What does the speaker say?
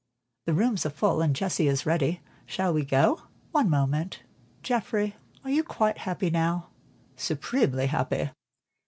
The rooms are full, and Jessie is ready. Shall we go?" "One moment: Geoffrey, are you quite happy now?" "Supremely happy!"